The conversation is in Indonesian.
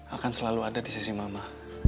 akan selalu ada di sisi mama